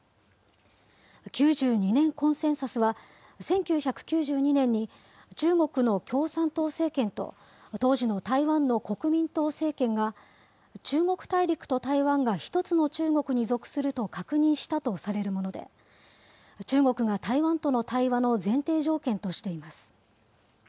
９２年コンセンサスは、１９９２年に、中国の共産党政権と、当時の台湾の国民党政権が、中国大陸と台湾が１つの中国に属すると確認したとされるもので、中国が台湾との対話の前提条件としています。